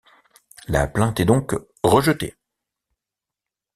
La plainte est donc rejetée.